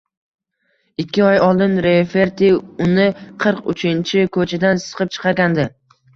Ikki oy oldin Rafferti uni Qirq Uchinchi ko`chadan siqib chiqargandi